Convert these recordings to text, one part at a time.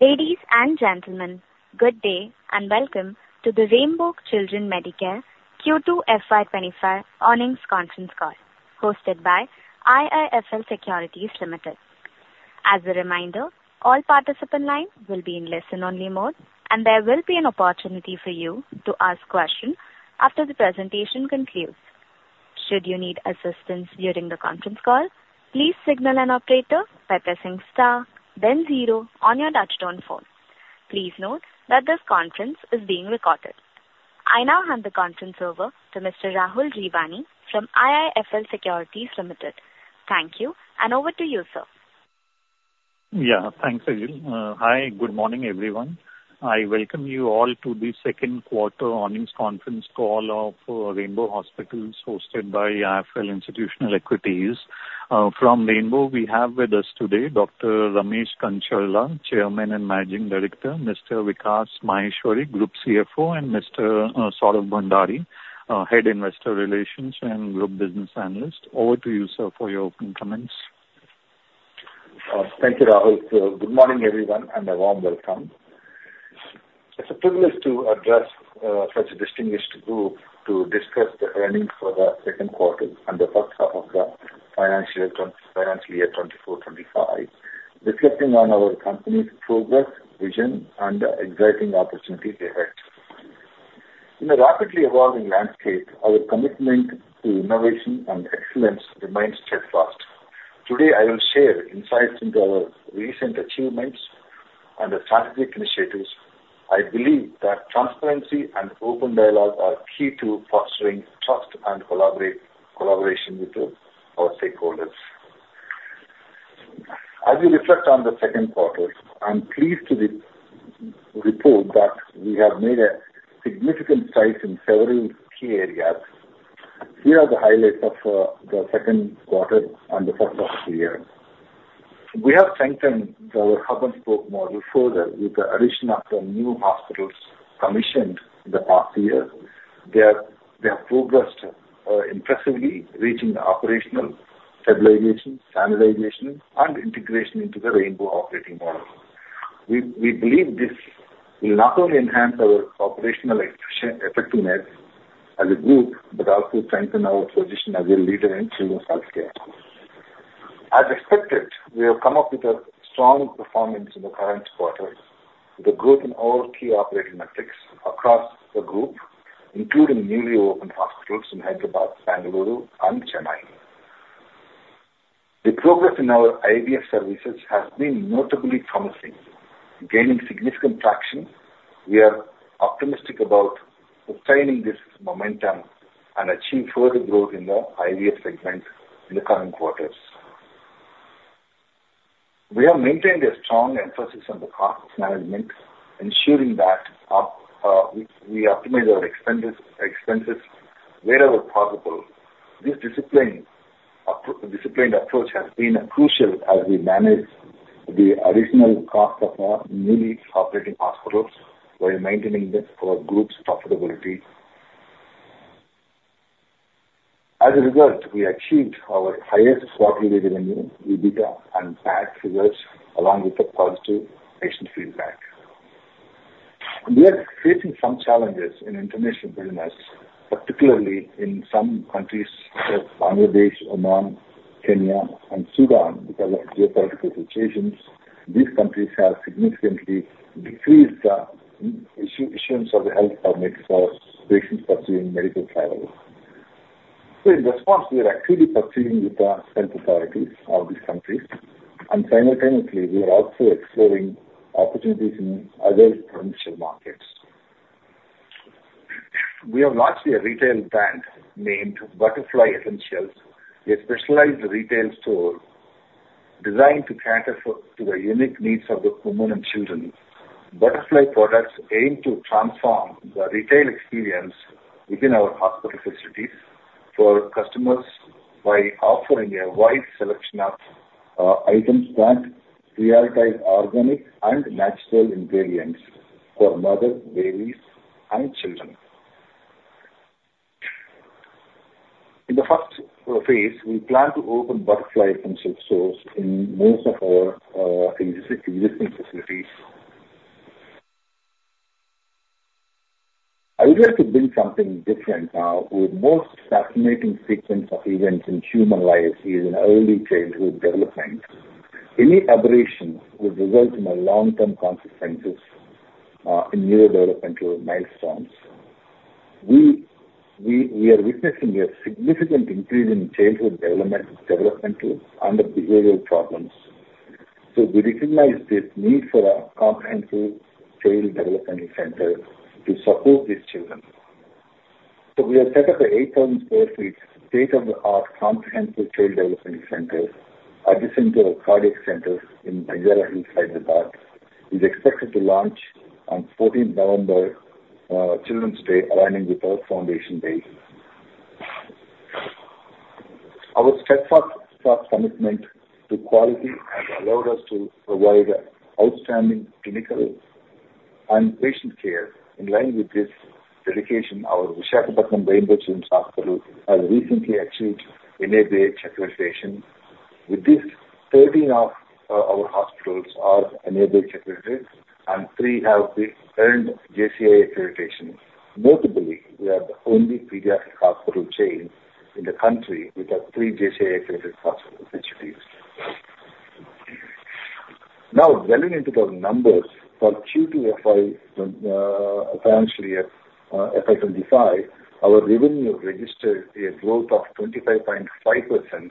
Ladies and gentlemen, good day, and welcome to the Rainbow Children's Medicare Q2 FY twenty-five earnings conference call, hosted by IIFL Securities Limited. As a reminder, all participants in line will be in listen-only mode, and there will be an opportunity for you to ask questions after the presentation concludes. Should you need assistance during the conference call, please signal an operator by pressing star then zero on your touch-tone phone. Please note that this conference is being recorded. I now hand the conference over to Mr. Rahul Jeewani from IIFL Securities Limited. Thank you, and over to you, sir. Yeah, thanks, Achal. Hi, good morning, everyone. I welcome you all to the second quarter earnings conference call of Rainbow Hospitals, hosted by IIFL Institutional Equities. From Rainbow, we have with us today Dr. Ramesh Kancharla, Chairman and Managing Director, Mr. Vikas Maheshwari, Group CFO, and Mr. Saurabh Bhandari, Head Investor Relations and Group Business Analyst. Over to you, sir, for your opening comments. Thank you, Rahul. Good morning, everyone, and a warm welcome. It's a privilege to address such a distinguished group to discuss the earnings for the second quarter and the first half of the financial year twenty-four, twenty-five, reflecting on our company's progress, vision, and the exciting opportunities ahead. In a rapidly evolving landscape, our commitment to innovation and excellence remains steadfast. Today, I will share insights into our recent achievements and the strategic initiatives. I believe that transparency and open dialogue are key to fostering trust and collaboration with our stakeholders. As we reflect on the second quarter, I'm pleased to report that we have made a significant stride in several key areas. Here are the highlights of the second quarter and the first half of the year. We have strengthened our hub-and-spoke model further with the addition of some new hospitals commissioned in the past year. They have progressed impressively, reaching the operational stabilization, standardization, and integration into the Rainbow operating model. We believe this will not only enhance our operational effectiveness as a group but also strengthen our position as a leader in children's healthcare. As expected, we have come up with a strong performance in the current quarter with a growth in all key operating metrics across the group, including newly opened hospitals in Hyderabad, Bengaluru, and Chennai. The progress in our IVF services has been notably promising. Gaining significant traction, we are optimistic about obtaining this momentum and achieve further growth in the IVF segment in the current quarters. We have maintained a strong emphasis on the cost management, ensuring that we optimize our expenses wherever possible. This disciplined approach has been crucial as we manage the additional cost of our newly operating hospitals while maintaining our group's profitability. As a result, we achieved our highest quarterly revenue, EBITDA and PAT figures, along with the positive patient feedback. We are facing some challenges in international business, particularly in some countries such as Bangladesh, Oman, Kenya and Sudan because of geopolitical situations. These countries have significantly decreased issuance of the health permits for patients pursuing medical travel. So in response, we are actively pursuing with the health authorities of these countries, and simultaneously, we are also exploring opportunities in other potential markets. We have launched a retail brand named Butterfly Essentials, a specialized retail store designed to cater to the unique needs of the women and children. Butterfly products aim to transform the retail experience within our hospital facilities for customers by offering a wide selection of items that prioritize organic and natural ingredients for mothers, babies, and children. In the first phase, we plan to open Butterfly Essentials stores in most of our existing facilities. I would like to build something different now. The most fascinating sequence of events in human life is in early childhood development. Any aberration would result in a long-term consequences in neurodevelopmental milestones. We are witnessing a significant increase in childhood developmental and behavioral problems, so we recognize this need for a comprehensive child development center to support these children. We have set up an 8,000 sq ft state-of-the-art comprehensive child development center adjacent to our cardiac center in Banjara Hills, Hyderabad. It's expected to launch on fourteenth November, Children's Day, aligning with our foundation day. Our steadfast commitment to quality has allowed us to provide outstanding clinical and patient care. In line with this dedication, our Visakhapatnam Rainbow Children's Hospital has recently achieved NABH accreditation. With this, thirteen of our hospitals are accredited, and three have earned JCI accreditation. Notably, we are the only pediatric hospital chain in the country with three JCI accredited hospital facilities. Now, delving into the numbers for Q2 FY, financial year, FY twenty-five, our revenue registered a growth of 25.5%,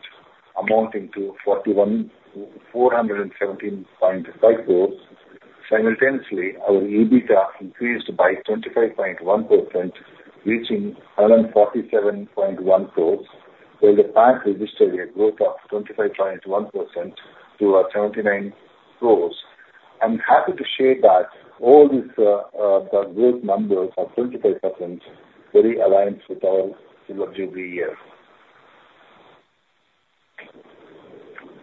amounting to 417.5 crores. Simultaneously, our EBITDA increased by 25.1%, reaching around 47.1 crores, while the PAT registered a growth of 25.1% to 79 crores. I'm happy to share that all these, the growth numbers are 25%, very aligned with our similar GB year.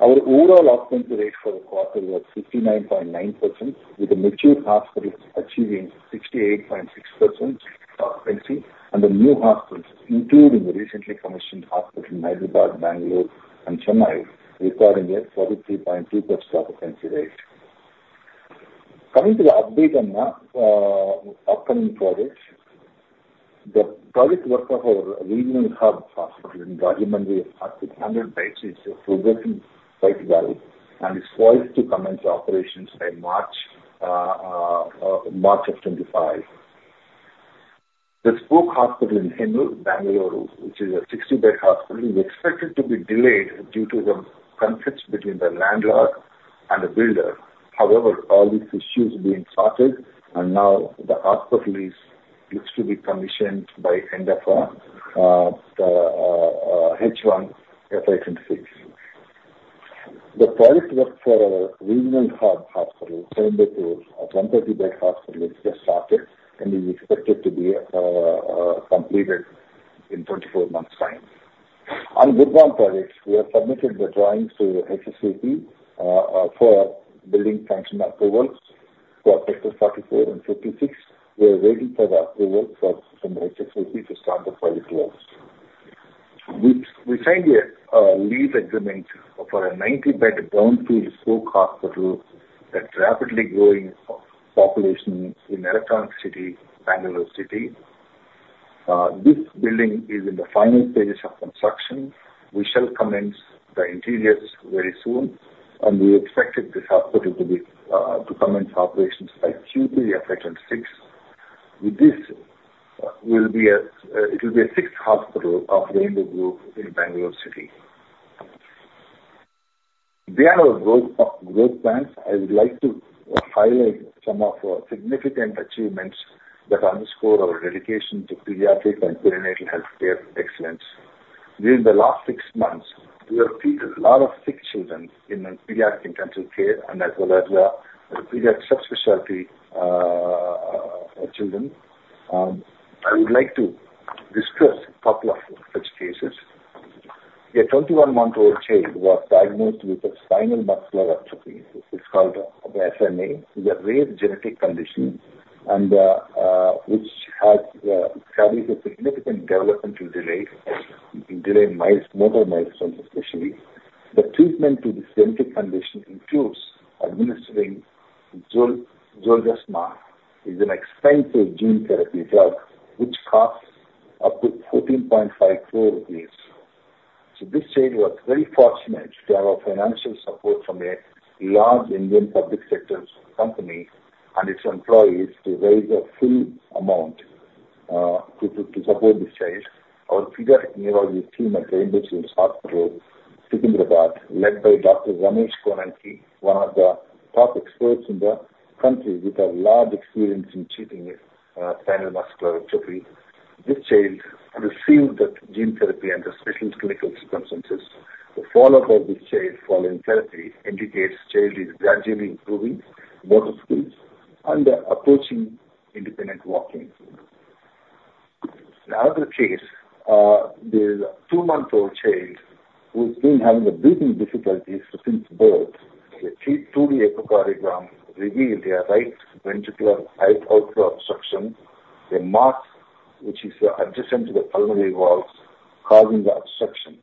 Our overall occupancy rate for the quarter was 69.9%, with the mature hospitals achieving 68.6% occupancy, and the new hospitals, including the recently commissioned hospitals in Hyderabad, Bangalore and Chennai, recording a 43.2% occupancy rate. Coming to the update on upcoming projects, the project work of our regional hub hospital in Rajahmundry with 100 beds is progressing quite well, and is poised to commence operations by March 2025. The spoke hospital in Hennur, Bangalore, which is a 60-bed hospital, is expected to be delayed due to the conflicts between the landlord and the builder. However, all these issues are being sorted, and now the hospital looks to be commissioned by end of the H1 FY 2026. The project work for our regional hub hospital, intended to a 130-bed hospital, has just started and is expected to be completed in 24 months' time. On Gudivada project, we have submitted the drawings to SSVP for building sanction approvals for plots 44 and 56. We are waiting for the approval from SSVP to start the project works. We signed a lease agreement for a 90-bed Brownfield spoke hospital, a rapidly growing population in Electronic City, Bangalore City. This building is in the final stages of construction. We shall commence the interiors very soon, and we expected this hospital to be, to commence operations by Q3 FY 2026. With this, it will be a sixth hospital of Rainbow Group in Bangalore City. Beyond our growth plans, I would like to highlight some of our significant achievements that underscore our dedication to pediatric and perinatal healthcare excellence. During the last six months, we have treated a lot of sick children in pediatric intensive care and as well as the pediatric subspecialty children. I would like to discuss a couple of such cases. A twenty-one-month-old child was diagnosed with a spinal muscular atrophy. This is called SMA, is a rare genetic condition and which carries a significant developmental delay in motor milestones, especially. The treatment to this genetic condition includes administering Zolgensma, is an expensive gene therapy drug, which costs up to 14.5 crore rupees. So this child was very fortunate to have a financial support from a large Indian public sector company and its employees, to raise a full amount, to support this child. Our pediatric neurology team at Rainbow Children's Hospital, Hyderabad, led by Dr. Ramesh Konanki, one of the top experts in the country with a large experience in treating spinal muscular atrophy. This child received the gene therapy under special clinical circumstances. The follow-up of this child following therapy indicates child is gradually improving motor skills and approaching independent walking. Another case, there's a two-month-old child who's been having a breathing difficulties since birth. A 2D echocardiogram revealed a right ventricular outflow obstruction, a mass which is adjacent to the pulmonary valve, causing the obstruction.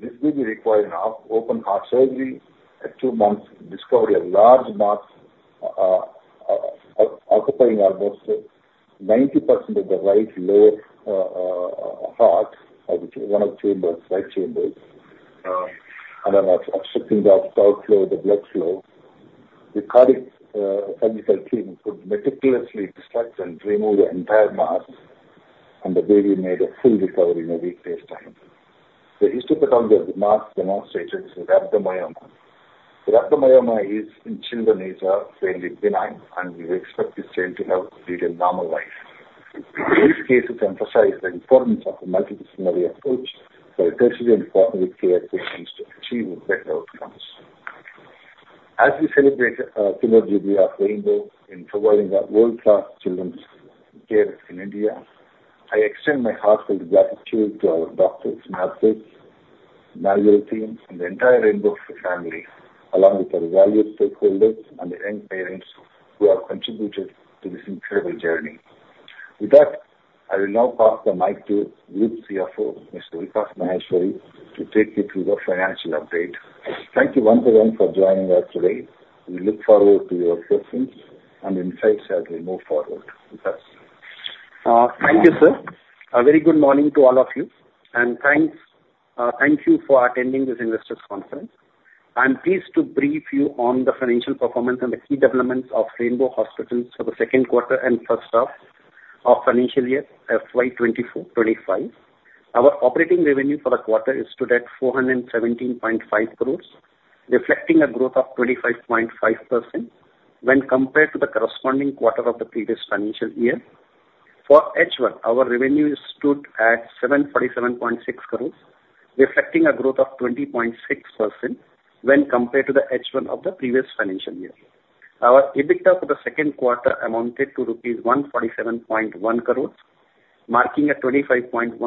This baby required an open heart surgery. At two months, discovered a large mass, occupying almost 90% of the right lower heart, which is one of the chambers, right chambers, and then obstructing the outflow of the blood flow. The cardiac surgical team could meticulously extract and remove the entire mass, and the baby made a full recovery in a week's time. The histology of the mass demonstrated rhabdomyoma. Rhabdomyoma in children is fairly benign, and we expect this child to have led a normal life. These cases emphasize the importance of a multidisciplinary approach by closely and partnering with care teams to achieve better outcomes. As we celebrate silver jubilee at Rainbow in providing a world-class children's care in India, I extend my heartfelt gratitude to our doctors, nurses, and the entire Rainbow family, along with our valued stakeholders and the dear parents who have contributed to this incredible journey. With that, I will now pass the mic to Group CFO, Mr. Vikas Maheshwari, to take you through the financial update. Thank you once again for joining us today. We look forward to your questions and insights as we move forward. With that- Thank you, sir. A very good morning to all of you, and thanks, thank you for attending this investors conference. I'm pleased to brief you on the financial performance and the key developments of Rainbow Hospitals for the second quarter and first half of financial year FY 2024-25. Our operating revenue for the quarter is stood at 417.5 crores, reflecting a growth of 25.5% when compared to the corresponding quarter of the previous financial year. For H1, our revenue stood at 747.6 crores, reflecting a growth of 20.6% when compared to the H1 of the previous financial year. Our EBITDA for the second quarter amounted to INR 147.1 crores, marking a 25.1%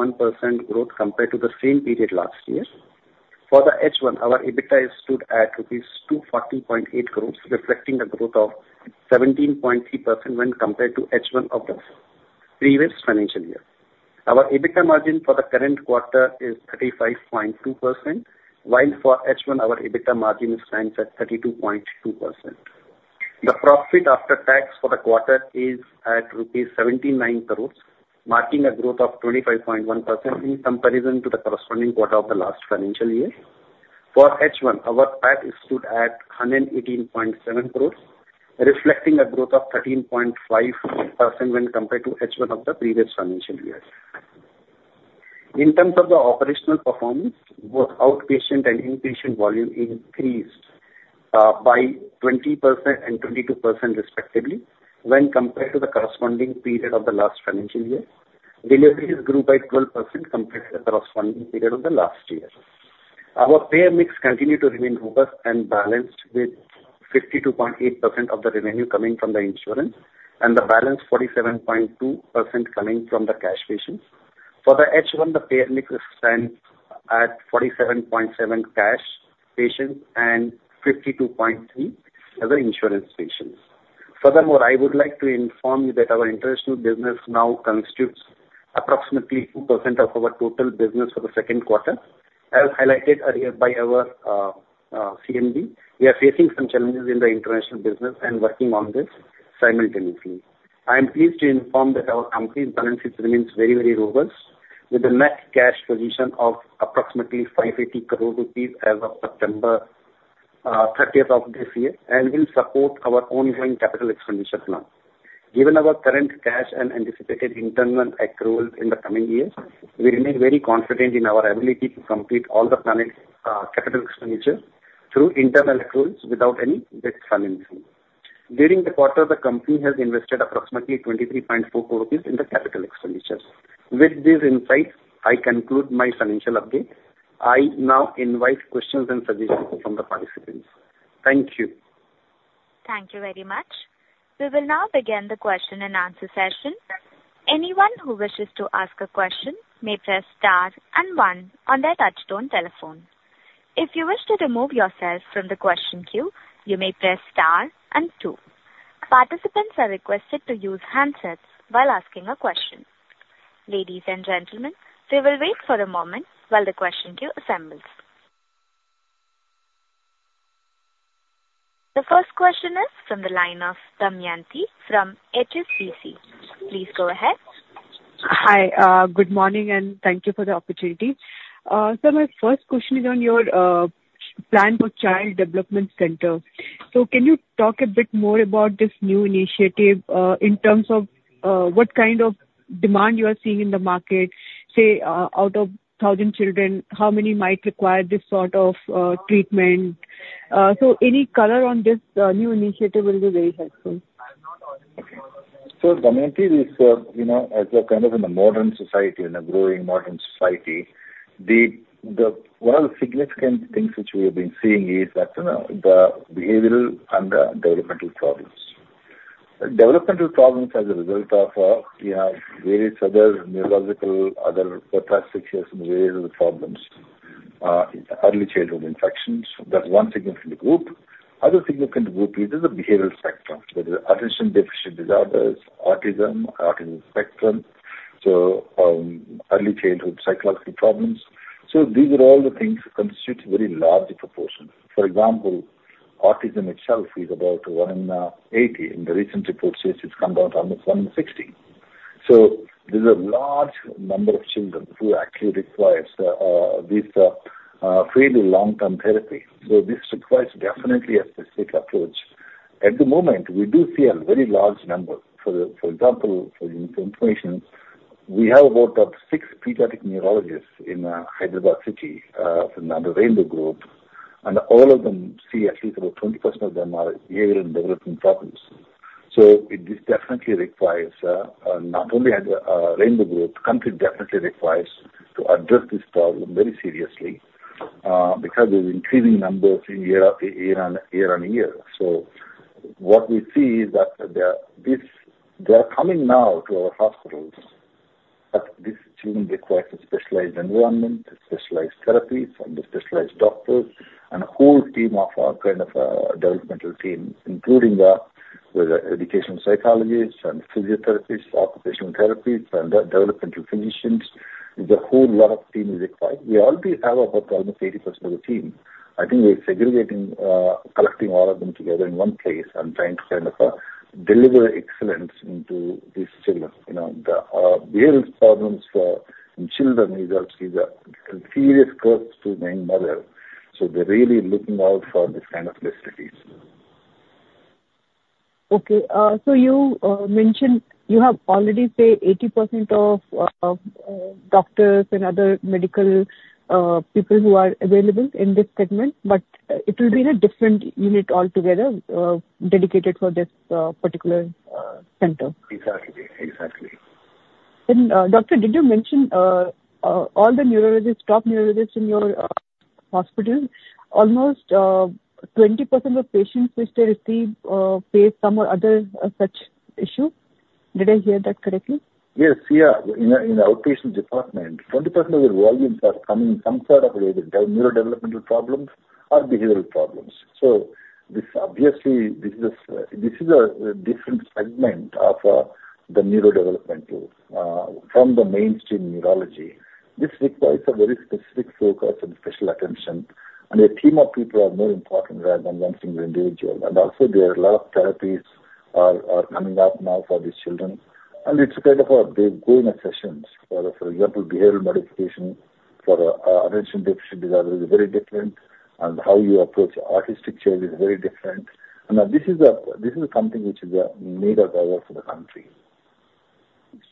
growth compared to the same period last year. For the H1, our EBITDA is stood at rupees 240.8 crores, reflecting a growth of 17.3% when compared to H1 of the previous financial year. Our EBITDA margin for the current quarter is 35.2%, while for H1, our EBITDA margin stands at 32.2%. The profit after tax for the quarter is at rupees 79 crores, marking a growth of 25.1% in comparison to the corresponding quarter of the last financial year. For H1, our PAT stood at 118.7 crores, reflecting a growth of 13.5% when compared to H1 of the previous financial year. In terms of the operational performance, both outpatient and inpatient volume increased by 20% and 22%, respectively, when compared to the corresponding period of the last financial year. Deliveries grew by 12% compared to the corresponding period of the last year. Our payer mix continued to remain robust and balanced, with 52.8% of the revenue coming from the insurance, and the balance 47.2% coming from the cash patients. For the H1, the payer mix stands at 47.7% cash patients and 52.3% as insurance patients. Furthermore, I would like to inform you that our international business now constitutes approximately 2% of our total business for the second quarter. As highlighted earlier by our CMD, we are facing some challenges in the international business and working on this simultaneously. I am pleased to inform that our company's balance sheet remains very, very robust, with a net cash position of approximately 580 crore rupees as of September thirtieth of this year, and will support our ongoing capital expenditure plans. Given our current cash and anticipated internal accruals in the coming years, we remain very confident in our ability to complete all the planned capital expenditures through internal accruals without any debt financing. During the quarter, the company has invested approximately 23.4 crore rupees in the capital expenditures. With this insight, I conclude my financial update. I now invite questions and suggestions from the participants. Thank you. Thank you very much. We will now begin the question and answer session. Anyone who wishes to ask a question may press star and one on their touchtone telephone. If you wish to remove yourself from the question queue, you may press star and two. Participants are requested to use handsets while asking a question. Ladies and gentlemen, we will wait for a moment while the question queue assembles. The first question is from the line of Damayanti from HSBC. Please go ahead. Hi, good morning, and thank you for the opportunity. So my first question is on your plan for Child Development Center. So can you talk a bit more about this new initiative in terms of what kind of demand you are seeing in the market? Say, out of thousand children, how many might require this sort of treatment? So any color on this new initiative will be very helpful. So, Damayanti, this, you know, as we're kind of in a modern society, in a growing modern society, the. One of the significant things which we have been seeing is that, you know, the behavioral and, developmental problems. Developmental problems as a result of, you have various other neurological, other pathologies, and various problems, early childhood infections. That's one significant group. Other significant group is the behavioral spectrum, whether attention deficit disorders, autism, autism spectrum, so, early childhood psychological problems. So these are all the things constitute a very large proportion. For example, autism itself is about one in, eighty. In the recent reports, it's come down to almost one in sixty. So there's a large number of children who actually requires, this, fairly long-term therapy. So this requires definitely a specific approach. At the moment, we do see a very large number. For example, for your information, we have about six pediatric neurologists in Hyderabad city under Rainbow Group, and all of them see at least about 20% of them are behavioral and development problems. It definitely requires, not only at Rainbow Group, the country definitely requires to address this problem very seriously because of increasing numbers year on year. What we see is that they are coming now to our hospitals, but these children require a specialized environment, a specialized therapies, and a specialized doctors, and a whole team of kind of developmental team, including the whether educational psychologists and physiotherapists, occupational therapists, and developmental clinicians. The whole lot of team is required. We already have about almost 80% of the team. I think we're segregating, collecting all of them together in one place and trying to kind of deliver excellence into these children. You know, the behavioral problems for children is actually a serious concern to many mothers, so they're really looking out for this kind of facilities. Okay. So you mentioned you have already say 80% of doctors and other medical people who are available in this segment, but it will be in a different unit altogether, dedicated for this particular center? Exactly. Exactly. Doctor, did you mention all the neurologists, top neurologists in your hospital, almost 20% of patients which they receive face some or other such issue? Did I hear that correctly? Yes, yeah. In the outpatient department, 20% of the volumes are coming, some sort of either neurodevelopmental problems or behavioral problems. So this obviously is a different segment of the neurodevelopmental from the mainstream neurology. This requires a very specific focus and special attention, and a team of people are more important rather than one single individual. And also there are a lot of therapies coming up now for these children, and it's kind of a big ongoing sessions. For example, behavioral modification for attention deficit disorder is very different, and how you approach autistic child is very different. And this is something which is a major driver for the country.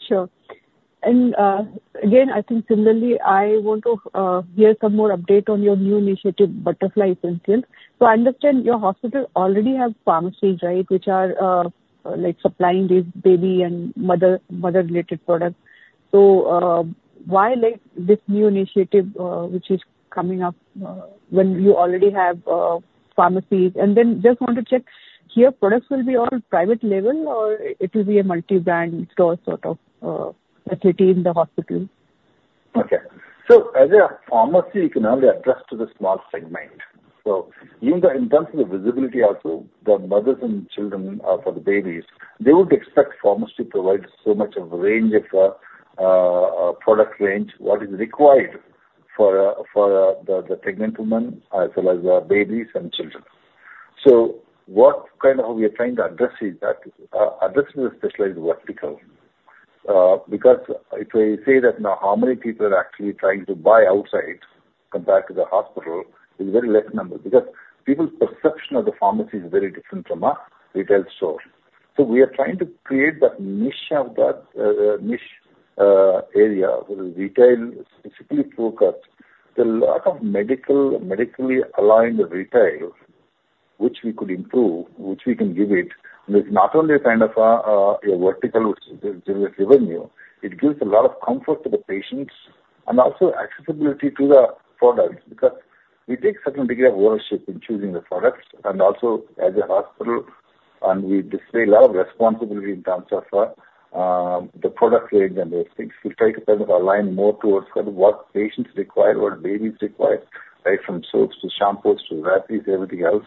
Sure. And, again, I think similarly, I want to hear some more update on your new initiative, Butterfly Essentials. So I understand your hospital already has pharmacies, right? Which are, like supplying these baby and mother-related products. So, why like this new initiative, which is coming up, when you already have, pharmacies? And then just want to check, the products will be all private label or it will be a multi-brand store sort of, entity in the hospital? Okay. So as a pharmacy, you can only address to the small segment. So even though in terms of the visibility also, the mothers and children, for the babies, they would expect pharmacy to provide so much of a range of a product range, what is required for the pregnant women as well as the babies and children. So what we are trying to address is that, addressing the specialized vertical. Because if I say that now how many people are actually trying to buy outside compared to the hospital, is very less number, because people's perception of the pharmacy is very different from a retail store. So we are trying to create that niche area, where retail specifically focused. There are a lot of medical, medically aligned retail, which we could improve, which we can give it. It's not only a kind of a vertical, which gives revenue, it gives a lot of comfort to the patients, and also accessibility to the products. Because we take certain degree of ownership in choosing the products, and also as a hospital, and we display a lot of responsibility in terms of the product range and those things. We try to kind of align more towards kind of what patients require, what babies require, right? From soaps, to shampoos, to nappies, everything else.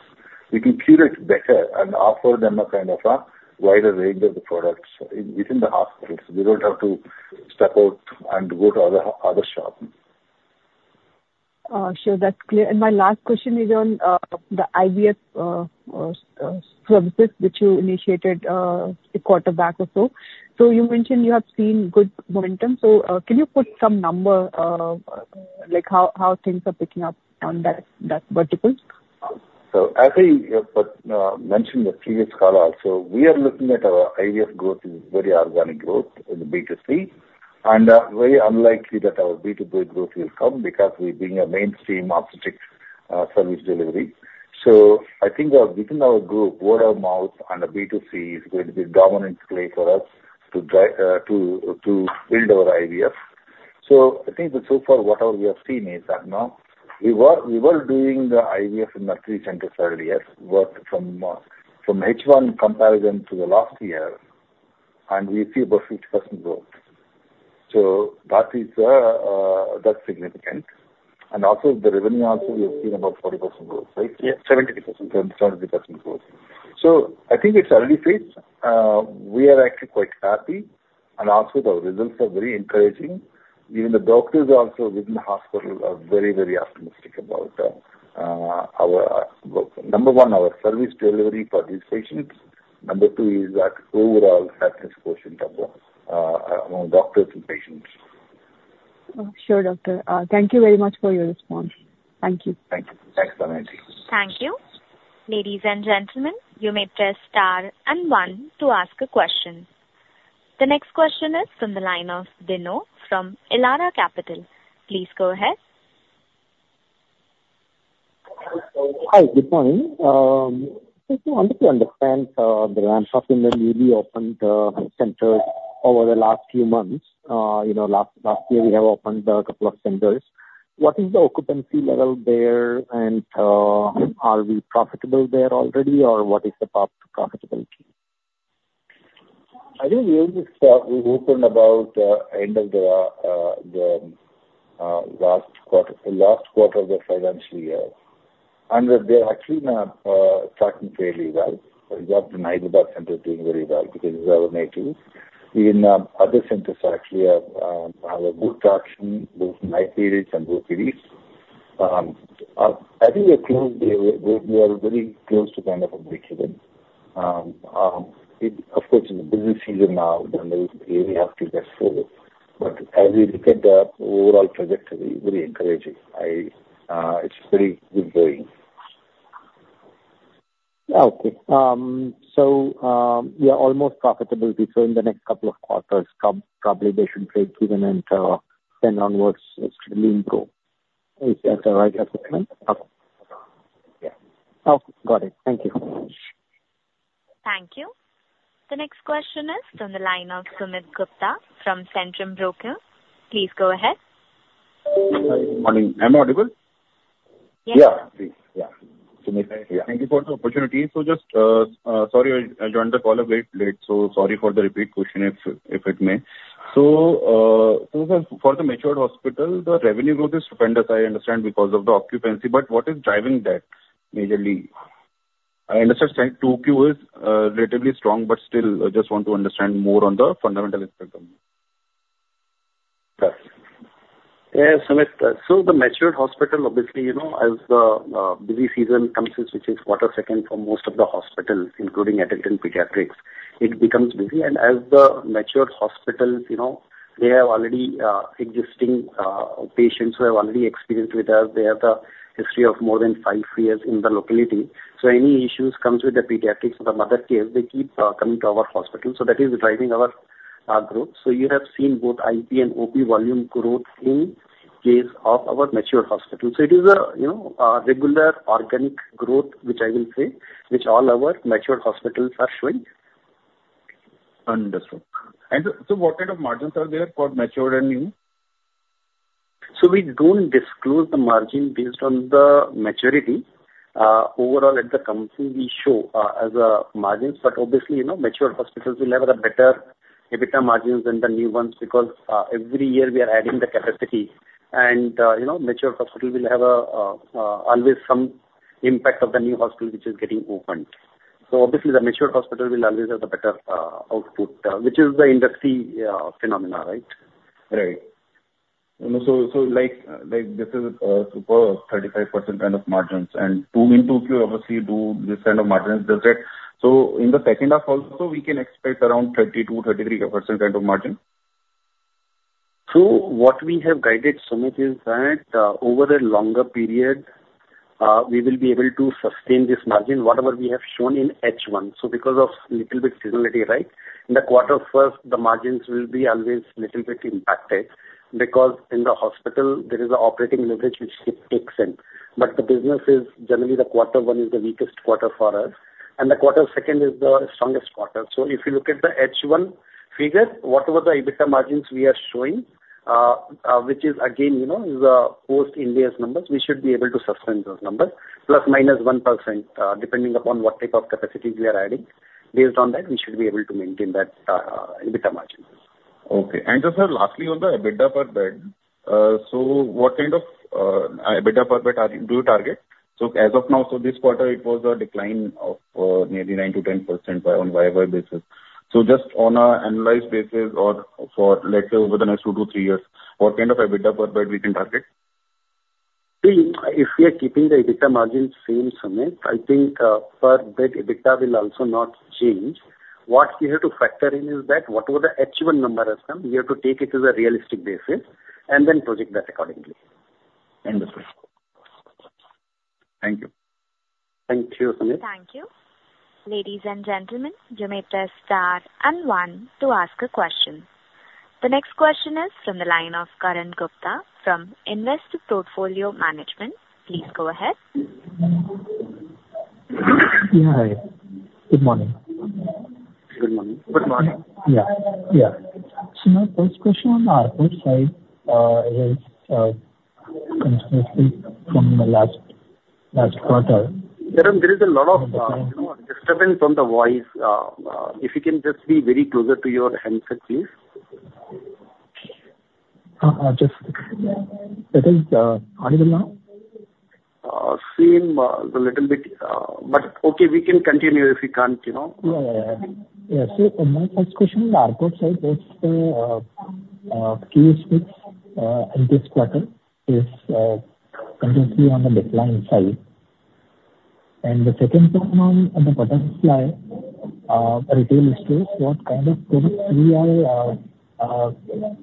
We can curate better and offer them a kind of a wider range of the products within the hospitals. They don't have to step out and go to other shop. Sure. That's clear. And my last question is on the IVF services which you initiated a quarter back or so. So you mentioned you have seen good momentum, so can you put some number like how things are picking up on that vertical? So as I mentioned the previous call also, we are looking at our IVF growth is very organic growth in the B2C, and very unlikely that our B2B growth will come because we're being a mainstream obstetric service delivery. So I think within our group, word of mouth and the B2C is going to be dominant play for us to build our IVF. So I think that so far, whatever we have seen is that now, we were doing the IVF in our three centers earlier, but from H1 comparison to the last year, and we see about 50% growth. So that is that's significant. And also the revenue also, we have seen about 40% growth, right? Yeah, 70%. 70% growth. So I think it's early phase. We are actually quite happy, and also the results are very encouraging. Even the doctors also within the hospital are very, very optimistic about, our, number one, our service delivery for these patients. Number two is that overall satisfaction of the, among doctors and patients. Sure, Doctor. Thank you very much for your response. Thank you. Thank you. Thanks a lot. Thank you. Ladies and gentlemen, you may press star and one to ask a question. The next question is from the line of Bino, from Elara Capital. Please go ahead. Hi, good morning. Just wanted to understand the ramps up in the newly opened centers over the last few months. You know, last year, we have opened a couple of centers. What is the occupancy level there, and are we profitable there already, or what is the path to profitability? I think we only start, we opened about end of the last quarter of the financial year. They're actually now tracking fairly well. We got the Hyderabad center doing very well because it's our native. In other centers actually have good traction, both inpatients and outpatients. I think we are close, we are very close to kind of a breakeven. It of course in the busy season now, then we have to get through. But as we look at the overall trajectory, very encouraging. It's very good going. Okay. So, we are almost profitable before in the next couple of quarters, probably they should break even, and then onwards it should improve. Is that the right assumption? Okay. Yeah. Oh, got it. Thank you. Thank you. The next question is from the line of Sumit Gupta from Centrum Broking. Please go ahead. Good morning. Am I audible? Yes. Yeah, please. Yeah. Sumit, yeah. Thank you for the opportunity. So just, sorry, I joined the call a bit late, so sorry for the repeat question, if it may. So, for the matured hospital, the revenue growth is stupendous, I understand, because of the occupancy, but what is driving that majorly? I understand Q2 is relatively strong, but still, I just want to understand more on the fundamental aspect of it. Yes, Sumit. So the matured hospital, obviously, you know, as the busy season comes in, which is quarter second for most of the hospitals, including adult and pediatrics, it becomes busy. And as the matured hospitals, you know, they have already existing patients who have already experienced with us. They have the history of more than five years in the locality. So any issues comes with the pediatrics or the mother care, they keep coming to our hospital. So that is driving our, our growth. So you have seen both IP and OP volume growth in case of our matured hospital. So it is a, you know, regular organic growth, which I will say, which all our matured hospitals are showing. Understood. And so what kind of margins are there for matured and new? So we don't disclose the margin based on the maturity. Overall, at the company, we show as margins, but obviously, you know, matured hospitals will have a better EBITDA margins than the new ones, because every year we are adding the capacity. And you know, matured hospital will have always some impact of the new hospital which is getting opened. So obviously, the matured hospital will always have a better output, which is the industry phenomenon, right? Right. So, like, this is super 35% kind of margins, and Q2 into H2 obviously do this kind of margins, does that? So in the second half also, we can expect around 32%-33% kind of margin? So what we have guided, Sumit, is that over a longer period we will be able to sustain this margin, whatever we have shown in H one. So because of little bit seasonality, right? In the quarter first, the margins will be always little bit impacted because in the hospital there is an operating leverage which it takes in. But the business is generally the quarter one is the weakest quarter for us, and the quarter second is the strongest quarter. So if you look at the H one figure, whatever the EBITDA margins we are showing, which is again, you know, post-index numbers, we should be able to sustain those numbers plus minus 1%, depending upon what type of capacities we are adding. Based on that, we should be able to maintain that EBITDA margins. Okay. And just lastly, on the EBITDA per bed, so what kind of EBITDA per bed do you target? So as of now, so this quarter it was a decline of nearly 9%-10% on YOY basis. So just on an annualized basis or for, let's say, over the next 2-3 years, what kind of EBITDA per bed we can target? See, if we are keeping the EBITDA margins same, Sumit, I think, per bed EBITDA will also not change. What we have to factor in is that whatever the H one number has come, we have to take it to the realistic basis and then project that accordingly. Understood. Thank you. Thank you, Sumit. Thank you. Ladies and gentlemen, you may press star and one to ask a question. The next question is from the line of Karan Gupta from Investor Portfolio Management. Please go ahead. Yeah, hi. Good morning. Good morning. Good morning. Yeah, yeah. So my first question on our insights is from the last quarter. Karan, there is a lot of, you know, disturbance from the voice. If you can just be very closer to your handset, please. It is audible now? Same, little bit, but okay, we can continue if you can't, you know? Yeah, yeah, yeah. Yeah, so my first question on inpatient, what's the case mix within this quarter is continuously on the decline side. And the second one on the bottom slide, retail space, what kind of products we are- Mr.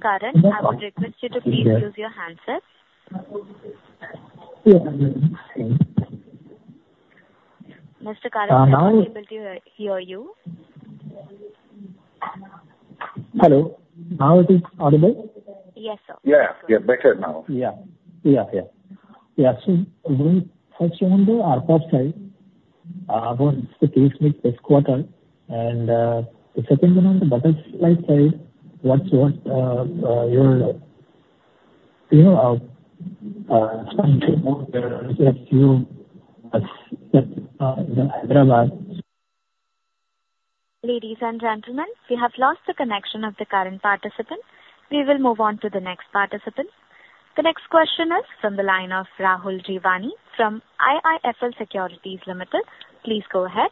Karan, I would request you to please use your handset. Yeah. Mr. Karan, I'm not able to hear you.... Hello. Now it is audible? Yes, sir. Yeah, yeah, better now. Yeah. Yeah, yeah. Yeah, so first one, the Rainbow side, about the case mix this quarter, and, the second one on the Butterfly side, what's your, you know, there are also a few, Hyderabad- Ladies and gentlemen, we have lost the connection of the current participant. We will move on to the next participant. The next question is from the line of Rahul Jeewani from IIFL Securities Limited. Please go ahead.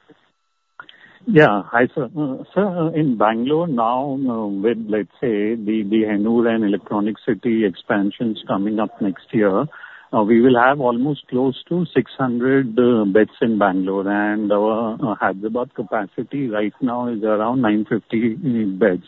Yeah. Hi, sir. Sir, in Bangalore, now, with, let's say, the Hebbal and Electronic City expansions coming up next year, we will have almost close to 600 beds in Bangalore, and our Hyderabad capacity right now is around 950 beds.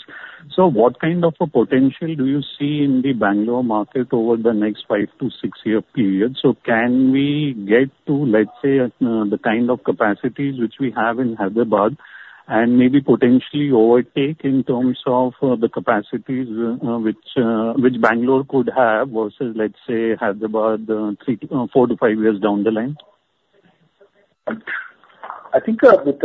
So what kind of a potential do you see in the Bangalore market over the next five- to six-year period? So can we get to, let's say, the kind of capacities which we have in Hyderabad and maybe potentially overtake in terms of, the capacities, which Bangalore could have versus, let's say, Hyderabad, three- to four- to five years down the line? I think, with...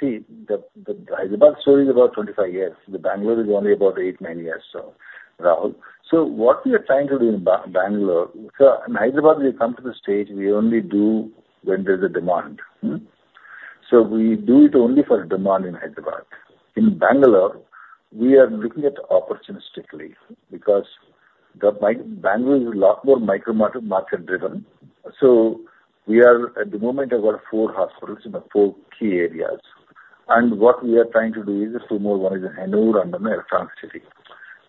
See, the Hyderabad story is about twenty-five years. The Bangalore is only about eight, nine years, so Rahul. So what we are trying to do in Bangalore... So in Hyderabad, we come to the stage, we only do when there's a demand. So we do it only for demand in Hyderabad. In Bangalore, we are looking at opportunistically, because the Bangalore is a lot more micro market, market driven. So we are at the moment about four hospitals in the four key areas, and what we are trying to do is two more. One is in Hebbal, another in Electronic City.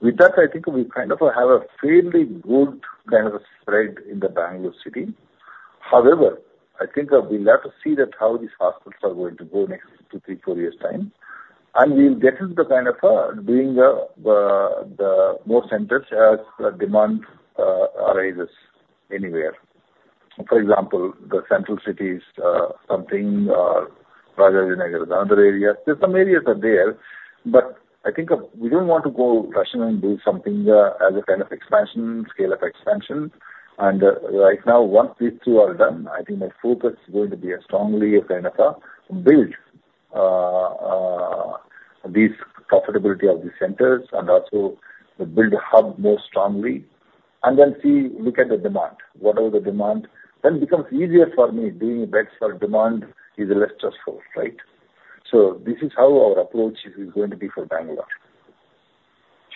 With that, I think we kind of have a fairly good kind of a spread in the Bangalore city. However, I think, we'll have to see that how these hospitals are going to go next two, three, four years' time. And we'll get into the kind of, doing the more centers as the demand, arises anywhere. For example, the central cities, something, Rajajinagar, another area. There's some areas are there, but I think, we don't want to go rush and do something, as a kind of expansion, scale of expansion. And, right now, once these two are done, I think my focus is going to be as strongly as kind of, build this profitability of these centers and also build a hub more strongly and then see, look at the demand, whatever the demand. Then becomes easier for me, doing beds for demand is less stressful, right? So this is how our approach is going to be for Bengaluru.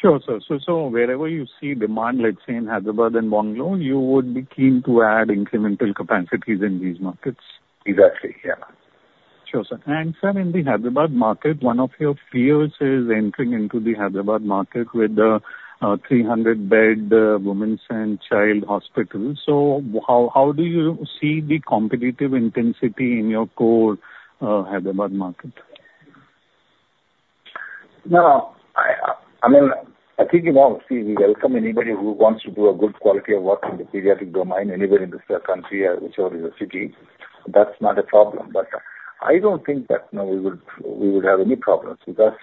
Sure, sir. So, wherever you see demand, let's say in Hyderabad and Bangalore, you would be keen to add incremental capacities in these markets? Exactly, yeah. Sure, sir. And sir, in the Hyderabad market, one of your peers is entering into the Hyderabad market with 300-bed women's and child hospital. So how do you see the competitive intensity in your core Hyderabad market? No, I mean, I think, you know, see, we welcome anybody who wants to do a good quality of work in the pediatric domain, anywhere in this country or whichever the city. That's not a problem. But I don't think that, you know, we would have any problems, because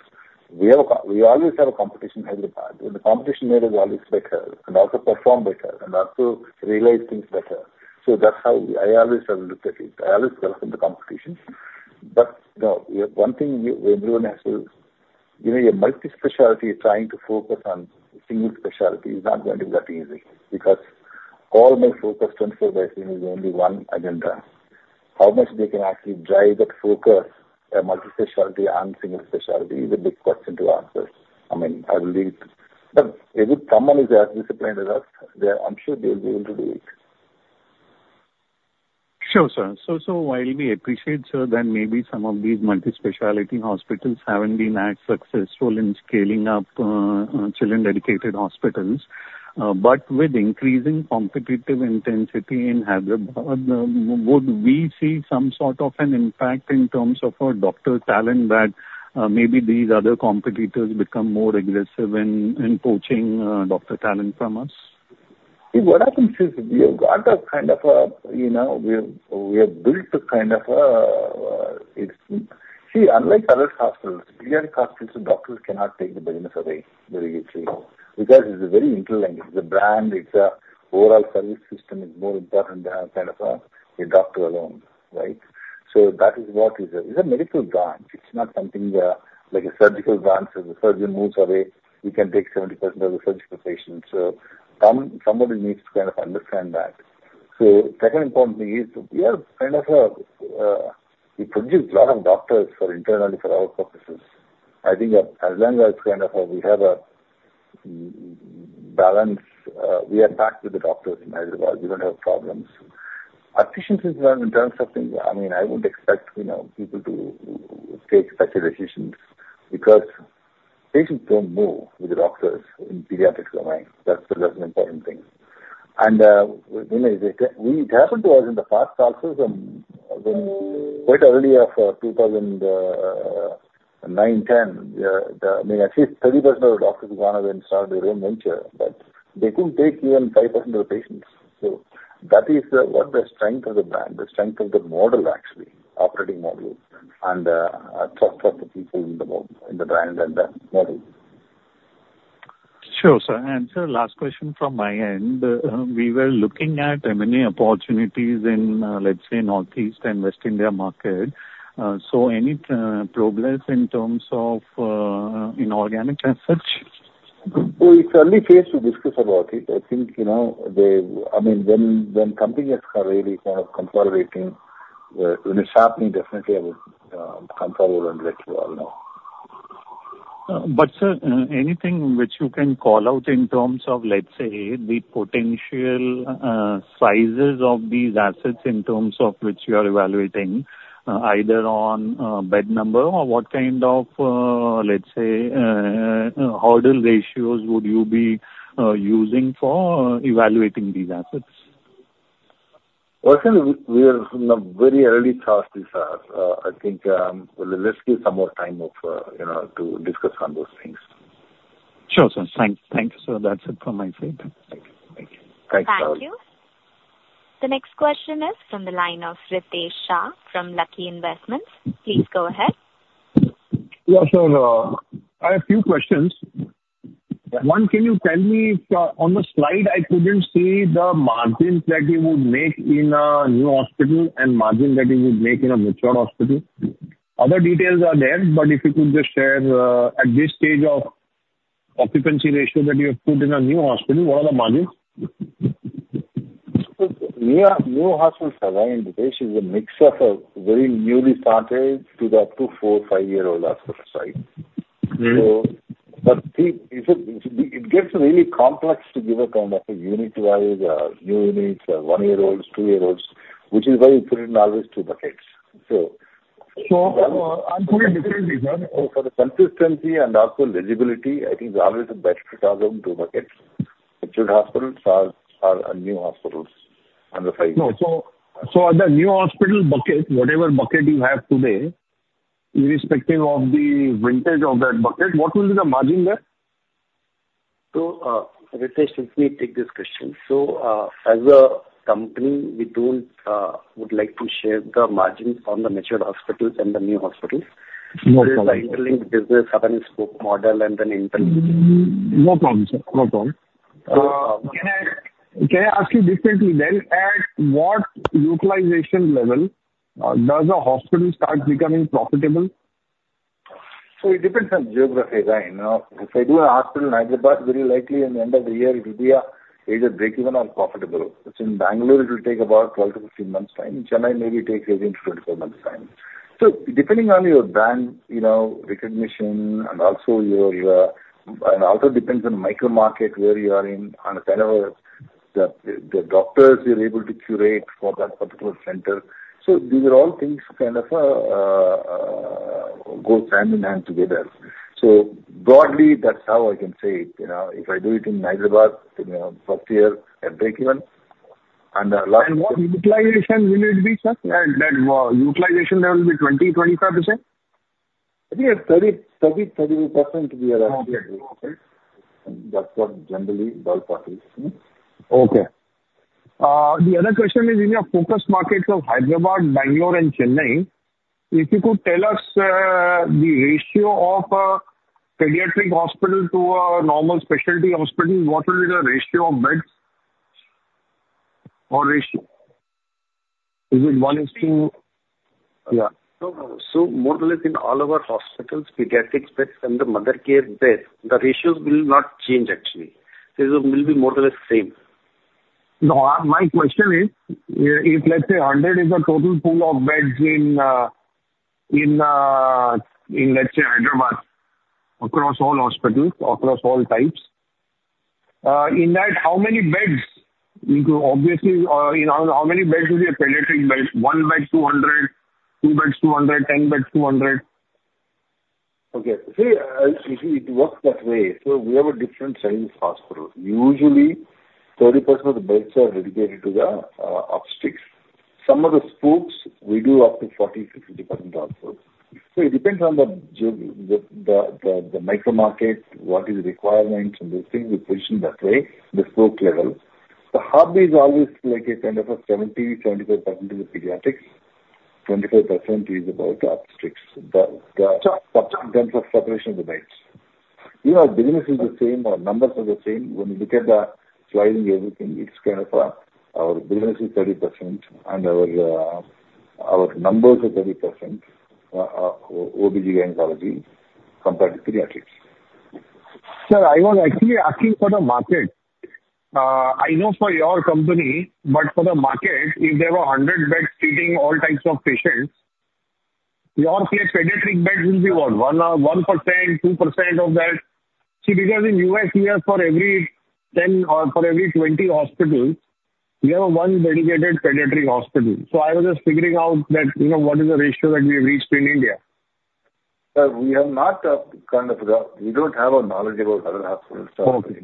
we always have a competition in Hyderabad, and the competition made us always better and also perform better and also realize things better. So that's how I always have looked at it. I always welcome the competition. But, you know, one thing you, everyone has to... You know, a multi-specialty trying to focus on single specialty is not going to be that easy, because all my focus twenty-four by seven is only one agenda. How much they can actually drive that focus, a multi-specialty and single specialty, is a big question to answer. I mean, I believe, but if someone is as disciplined as us, they, I'm sure they'll be able to do it. Sure, sir. So while we appreciate, sir, that maybe some of these multi-specialty hospitals haven't been as successful in scaling up children-dedicated hospitals, but with increasing competitive intensity in Hyderabad, would we see some sort of an impact in terms of a doctor talent that maybe these other competitors become more aggressive in poaching doctor talent from us? See, what happens is we have got a kind of a, you know, we have built a kind of a, it's. See, unlike other hospitals, pediatric hospitals, the doctors cannot take the business away very easily, because it's a very interlinked. It's a brand, it's a overall service system is more important than kind of a, a doctor alone, right? So that is what is a medical branch. It's not something like a surgical branch. If a surgeon moves away, you can take 70% of the surgical patients. So somebody needs to kind of understand that. So second important thing is we are kind of a, we produce a lot of doctors internally for our purposes. I think as long as kind of we have a balance, we are packed with the doctors in Hyderabad. We don't have problems. Efficiency is not in terms of things. I mean, I would expect, you know, people to take special decisions, because patients don't move with the doctors in pediatric domain. That's an important thing. And, you know, it happened to us in the past also, from quite early of 2009, 2010. The, I mean, at least 30% of the doctors gone and started their own venture, but they couldn't take even 5% of the patients. So that is what the strength of the brand, the strength of the model, actually operating model and trust of the people in the world, in the brand and the model. Sure, sir. And sir, last question from my end. We were looking at M&A opportunities in, let's say, Northeast and West India market. So any progress in terms of inorganic as such? It's early phase to discuss about it. I think, you know, they. I mean, when company is really kind of consolidating, when the time comes, definitely I would come forward and let you all know. But, sir, anything which you can call out in terms of, let's say, the potential sizes of these assets in terms of which you are evaluating, either on bed number or what kind of, let's say, hurdle ratios would you be using for evaluating these assets? Sir, we are in a very early stage. I think, let's give some more time off, you know, to discuss on those things. Sure, sir. Thank you, sir. That's it from my side. Thank you. Thank you. Thank you. The next question is from the line of Ritesh Shah from Lucky Investments. Please go ahead. Yeah, sure. I have few questions. Yeah. One, can you tell me, on the slide, I couldn't see the margins that you would make in a new hospital and margin that you would make in a mature hospital. Other details are there, but if you could just share, at this stage of occupancy ratio that you have put in a new hospital, what are the margins? New hospitals are in, Ritesh, is a mix of very newly started to the up to four, five-year-old hospital side. Mm-hmm. So, but it gets really complex to give a kind of a unit-wise new units one-year-olds two-year-olds, which is why we put it in always two buckets. So- I'm putting it differently, sir. So for the consistency and also visibility, I think always it's best to talk of two buckets: mature hospitals or, or new hospitals under five years. No. So, so on the new hospital bucket, whatever bucket you have today, irrespective of the vintage of that bucket, what will be the margin there? Ritesh, let me take this question. As a company, we don't would like to share the margins on the mature hospitals and the new hospitals. No problem. This is interlinked business model and then interlinked. No problem, sir. No problem. Can I ask you differently then? At what utilization level does a hospital start becoming profitable? So it depends on geography, right? You know, if I do a hospital in Hyderabad, very likely in the end of the year, it'll be either breakeven or profitable. If it's in Bangalore, it will take about 12-15 months' time. Chennai, maybe it takes 18-24 months' time. So depending on your brand, you know, recognition and also your, and also depends on the micro market, where you are in, and the kind of the doctors you're able to curate for that particular center. So these are all things kind of go hand in hand together. So broadly, that's how I can say it. You know, if I do it in Hyderabad, you know, first year, a breakeven, and the last- What utilization will it be, sir? That utilization level will be 20%-25%. I think it's 30, 30, 30% we are at. Okay. That's what generally, well, put it. Okay. The other question is, in your focus markets of Hyderabad, Bangalore and Chennai, if you could tell us, the ratio of, pediatric hospital to a normal specialty hospital, what will be the ratio of beds? Or ratio. Is it one is to- Yeah. More or less in all of our hospitals, pediatric beds and the mother care beds, the ratios will not change actually. They will be more or less the same. No, my question is, if let's say 100 is the total pool of beds in, in let's say Hyderabad, across all hospitals, across all types, in that, how many beds into obviously, in how, how many beds will be pediatric beds? One bed, 200, two beds, 200, 10 beds, 200? Okay. See, you see, it works that way. So we have a different size hospital. Usually, 30% of the beds are dedicated to the obstetrics. Some of the spokes we do up to 40, 50, depending on hospital. So it depends on the micro market, what is the requirement and those things we position that way, the spoke level. The hub is always like a kind of a 70, 25% is pediatrics, 25% is about obstetrics. Sure. In terms of separation of the beds. You know, our business is the same, our numbers are the same. When you look at the slide and everything, it's kind of, our business is 30% and our, our numbers are 30%, OBG oncology compared to pediatrics. Sir, I was actually asking for the market. I know for your company, but for the market, if there were a hundred beds treating all types of patients, your pediatric beds will be what? 1%, 2% of that? See, because in U.S., we have for every 10 or for every 20 hospitals, we have one dedicated pediatric hospital. So I was just figuring out that, you know, what is the ratio that we have reached in India. Sir, we have not. We don't have a knowledge about other hospitals. Okay.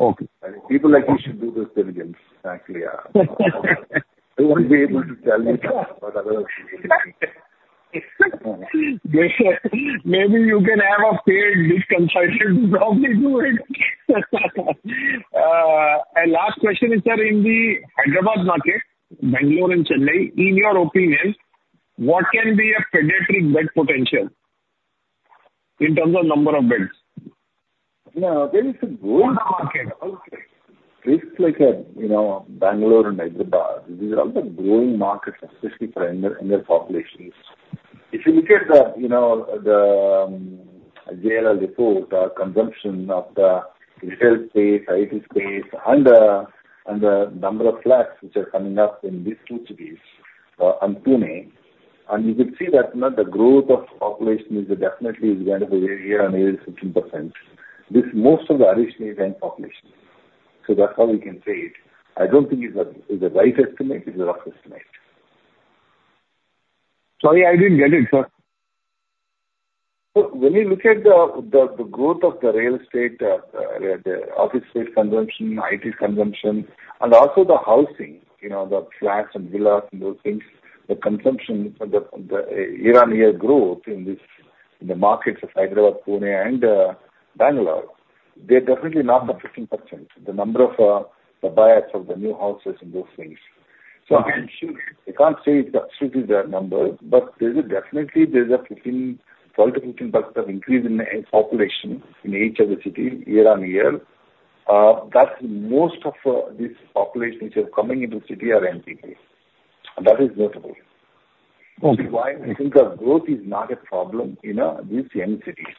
Okay. People like you should do due diligence, actually. We won't be able to tell you about other hospitals. Maybe you can have a paid consultant to probably do it. And last question is, sir, in the Hyderabad market, Bangalore and Chennai, in your opinion, what can be a pediatric bed potential? In terms of number of beds? No, there is a growing market. Places like, you know, Bangalore and Hyderabad, these are all the growing markets, especially for younger populations. If you look at you know the JLL report, the consumption of the retail space, IT space, and the number of flats which are coming up in these two cities, and Pune, and you could see that now the growth of population is definitely going to be year on year 15%. This most of the are young population. So that's how we can say it. I don't think it's a right estimate, it's a rough estimate. Sorry, I didn't get it, sir. So when you look at the growth of the real estate, the office space consumption, IT consumption, and also the housing, you know, the flats and villas and those things, the consumption, the year-on-year growth in this, in the markets of Hyderabad, Pune and Bangalore, they're definitely not the 15%. The number of the buyers of the new houses and those things. I can't say it's absolutely that number, but there is definitely a 12%-15% increase in population in each of the city year on year. That's most of this population which are coming into city are MNC. That is notable. Okay. Which is why I think the growth is not a problem in these young cities,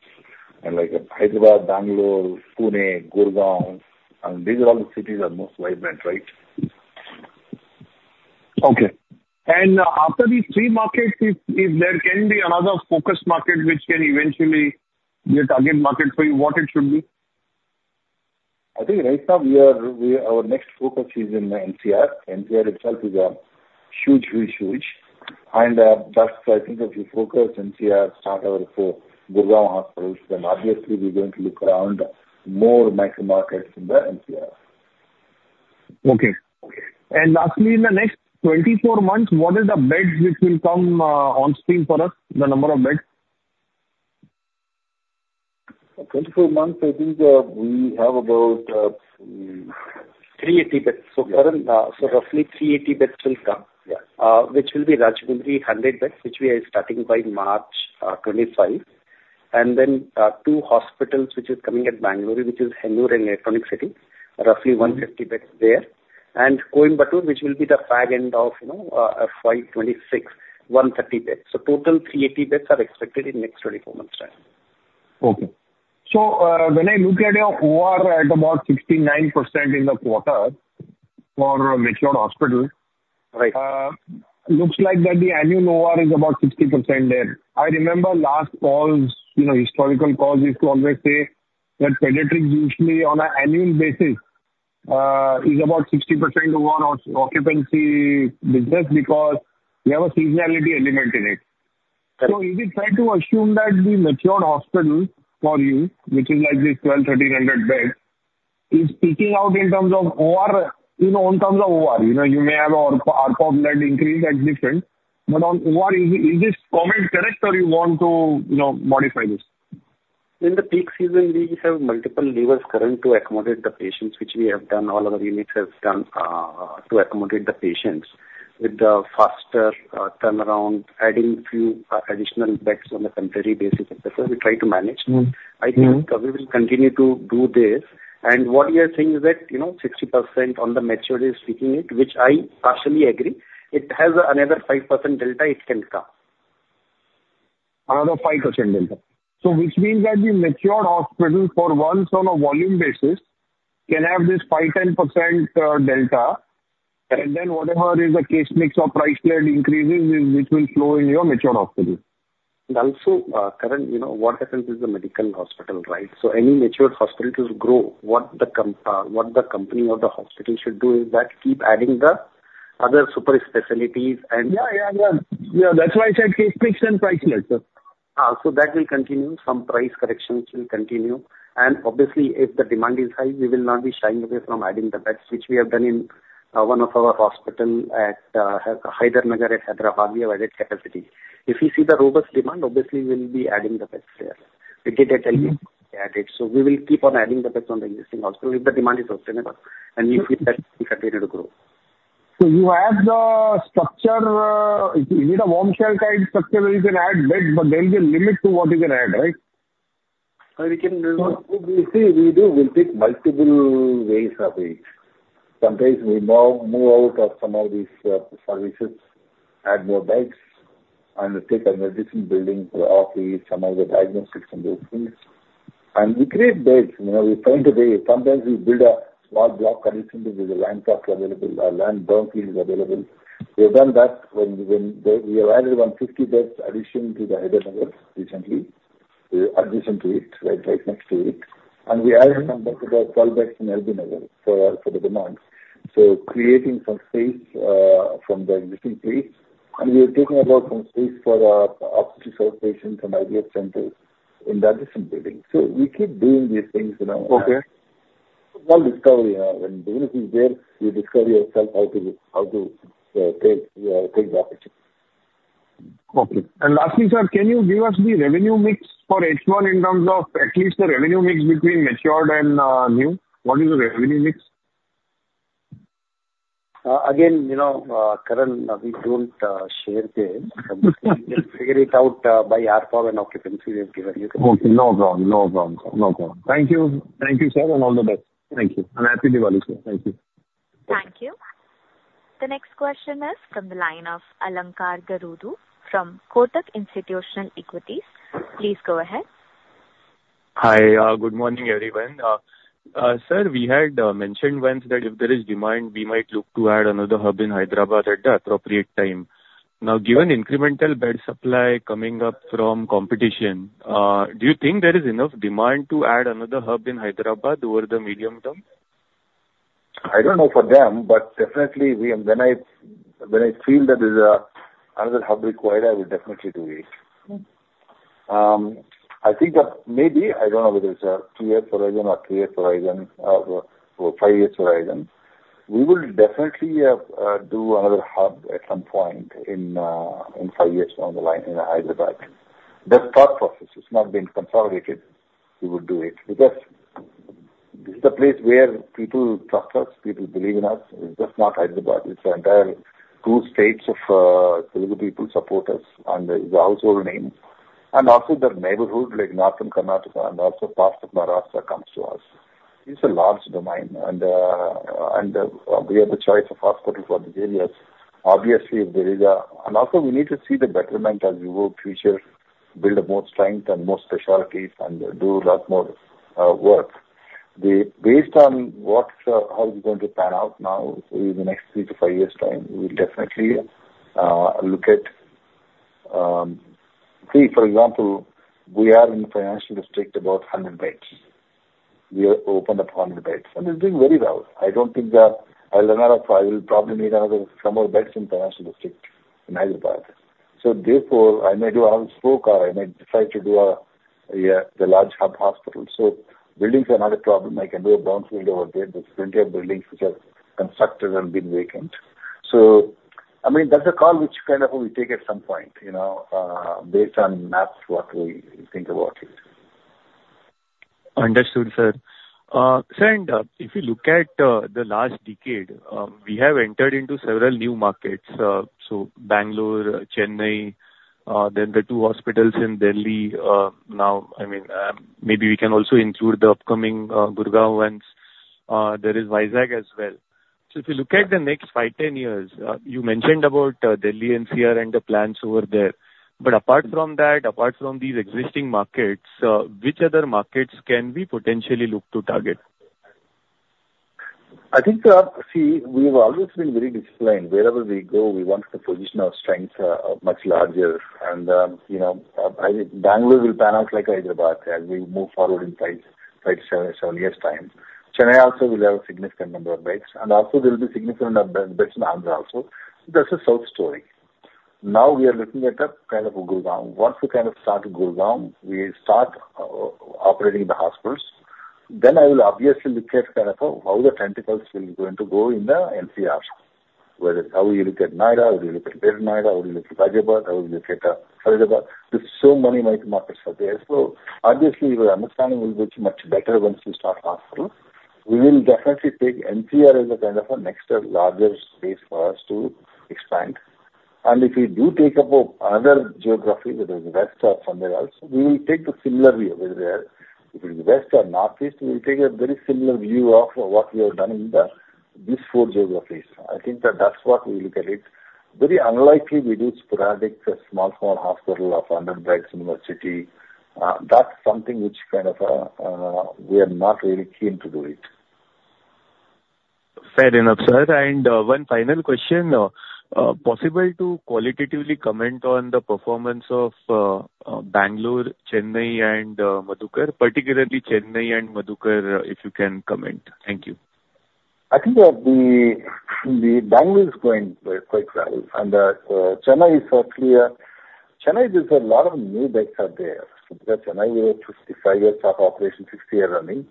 and like Hyderabad, Bangalore, Pune, Gurgaon, and these are all the cities are most vibrant, right? Okay. And after these three markets, if there can be another focus market which can eventually be a target market for you, what it should be? I think right now we are. Our next focus is in the NCR. NCR itself is a huge, huge, huge and that's I think if you focus NCR, start our four Gurgaon hospitals, then obviously we're going to look around more micro markets in the NCR. Okay. And lastly, in the next twenty-four months, what is the beds which will come on stream for us, the number of beds Twenty-four months, I think, we have about three eighty beds. So, Karan, so roughly three eighty beds will come. Yeah. which will be Rajajinagar, 100 beds, which we are starting by March 2025. And then, two hospitals which is coming at Bangalore, which is Hebbal and Electronic City, roughly 150 beds there. And Coimbatore, which will be by end of, you know, FY 2026, 130 beds. So total 380 beds are expected in next 24 months time. Okay. So, when I look at your OR at about 69% in the quarter for matured hospital- Right. Looks like that the annual OR is about 60% there. I remember last calls, you know, historical calls used to always say that pediatric usually on an annual basis is about 60% OR or occupancy business because you have a seasonality element in it. Correct. So, is it fair to assume that the matured hospital for you, which is like this twelve, thirteen hundred beds, is peaking out in terms of OR, you know, in terms of OR? You know, you may have ARPOB-led increase at different, but on OR, is this comment correct, or you want to, you know, modify this? In the peak season, we have multiple levers, Karan, to accommodate the patients, which we have done, all our units have done, to accommodate the patients with the faster turnaround, adding few additional beds on a temporary basis, and so we try to manage. Mm-hmm. I think we will continue to do this. And what we are saying is that, you know, 60% on the matured is peaking it, which I partially agree. It has another 5% delta, it can come. Another 5% delta. So which means that the matured hospital for once on a volume basis, can have this 5%-10% delta, and then whatever is the case mix or price led increases, which will flow in your matured hospitals. And also, Karan, you know, what happens is the medical hospital, right? So any matured hospital to grow, what the company or the hospital should do is that keep adding the other super facilities and- Yeah, yeah, yeah. Yeah, that's why I said case mix and price led, sir. So that will continue. Some price corrections will continue. And obviously, if the demand is high, we will not be shying away from adding the beds, which we have done in one of our hospital at L.B. Nagar. At Hyderabad, we have added capacity. If you see the robust demand, obviously we will be adding the beds there. We did at Hebbal, we added. So we will keep on adding the beds on the existing hospital if the demand is sustainable, and we feel that will continue to grow. So you have the structure, you need a warm shell kind structure where you can add bed, but there will be a limit to what you can add, right? We can- We see, we do, we take multiple ways of it. Sometimes we move out of some of these services, add more beds, and take a medical building for office, some of the diagnostics and those things. We create beds, you know, we find a way. Sometimes we build a small block addition to the land parcel available, land bank is available. We have done that when we added 150 beds addition to the Hyderabad recently, addition to it, right next to it. We added some beds, about 12 beds in L.B. Nagar for the demands. Creating some space from the existing space, and we are taking over some space for outpatient from IVF centers in the adjacent building. We keep doing these things, you know. Okay. One discovery, when the unit is there, you discover yourself how to take the opportunity. Okay, and lastly, sir, can you give us the revenue mix for H1 in terms of at least the revenue mix between matured and new? What is the revenue mix?... Again, you know, Karan, we don't share it. Figure it out by ARPOB and occupancy we have given you. Okay, no problem. No problem. No problem. Thank you. Thank you, sir, and all the best. Thank you, and Happy Diwali, sir. Thank you. Thank you. The next question is from the line of Alankar Garude from Kotak Institutional Equities. Please go ahead. Hi, good morning, everyone. Sir, we had mentioned once that if there is demand, we might look to add another hub in Hyderabad at the appropriate time. Now, given incremental bed supply coming up from competition, do you think there is enough demand to add another hub in Hyderabad over the medium term? I don't know for them, but definitely we. When I, when I feel that there's another hub required, I will definitely do it. I think that maybe, I don't know whether it's a two-year horizon or three-year horizon or five-year horizon, we will definitely do another hub at some point in, in five years down the line in Hyderabad. That's thought process. It's not been consolidated, we will do it. Because this is a place where people trust us, people believe in us. It's just not Hyderabad, it's the entire two states of Telugu people support us, and it's a household name. And also the neighborhood, like North Karnataka and also parts of Maharashtra comes to us. It's a large domain, and and we have a choice of hospital for the areas. Obviously, if there is a... And also we need to see the betterment as we go future, build up more strength and more specialties and do a lot more work. Based on what, how it's going to pan out now in the next three to five years' time, we'll definitely look at... Say, for example, we are in the Financial District, about 100 beds. We have opened up 100 beds, and it's doing very well. I don't think that I'll another. I will probably need another, some more beds in Financial District in Hyderabad. So therefore, I may do another spoke or I might decide to do a, the large hub hospital. So buildings are not a problem. I can do a brownfield over there. There's plenty of buildings which are constructed and been vacant. So, I mean, that's a call which kind of we take at some point, you know, based on demand what we think about it. Understood, sir, and if you look at the last decade, we have entered into several new markets, so Bangalore, Chennai, then the two hospitals in Delhi. Now, I mean, maybe we can also include the upcoming Gurgaon ones. There is Vizag as well, so if you look at the next five, 10 years, you mentioned about Delhi NCR and the plans over there, but apart from that, apart from these existing markets, which other markets can we potentially look to target? I think, see, we've always been very disciplined. Wherever we go, we want the position of strength, much larger. And, you know, Bangalore will pan out like Hyderabad as we move forward in five to seven years' time. Chennai also will have a significant number of beds, and also there will be significant number of beds in Andhra also. That's a south story. Now we are looking at a kind of Gurgaon. Once we kind of start in Gurgaon, we start operating the hospitals, then I will obviously look at kind of how the tentacles will going to go in the NCR. Whether how we look at Noida, how we look at Greater Noida, how we look at Ghaziabad, how we look at Faridabad. There's so many micro markets are there. Obviously, your understanding will be much better once you start hospital. We will definitely take NCR as a kind of a next larger space for us to expand. And if we do take up another geography, whether it's west or somewhere else, we will take the similar view over there. If it is west or northeast, we will take a very similar view of what we have done in these four geographies. I think that's what we look at it. Very unlikely we do sporadic small hospitals of hundred beds in a city. That's something which kind of we are not really keen to do it. Fair enough, sir. And, one final question. Possible to qualitatively comment on the performance of, Bangalore, Chennai and Madhukar, particularly Chennai and Madhukar, if you can comment? Thank you. I think that the Bangalore is going quite well, and Chennai is actually a Chennai. There's a lot of new beds are there. Because Chennai, we have fifty-five years of operation, sixty year running,